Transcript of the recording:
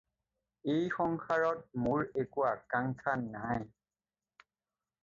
এই সংসাৰত মোৰ একো আকাংক্ষা নাই।